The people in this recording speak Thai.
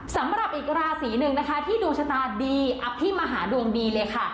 สำหรับอีกราศีหนึ่งนะคะที่ดวงชะตาดีอภิมหาดวงดีเลยค่ะ